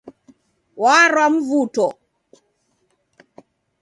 Warwa Mvuto